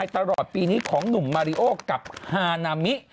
ตลอดปีนี้ของหนุ่มมาริโอกับฮานามิ